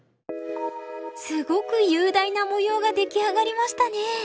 すごく雄大な模様が出来上がりましたね。